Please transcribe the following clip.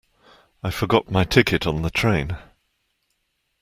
I forgot my ticket on the train.